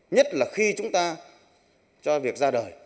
nhất là khi chúng ta cho việc ra đời